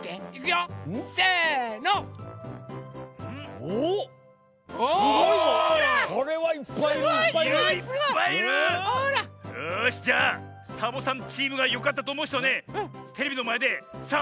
よしじゃあサボさんチームがよかったとおもうひとはねテレビのまえでサボーンってやってよ。